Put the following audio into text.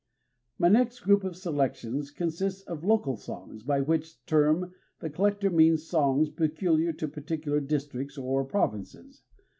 My next group of selections consists of "local songs" by which term the collector means songs peculiar to particular districts or provinces.